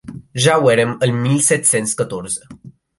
Ja ho érem el mil set-cents catorze.